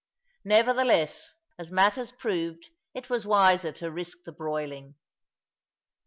Nevertheless, as matters proved, it was wiser to risk the broiling.